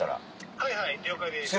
はいはい了解です。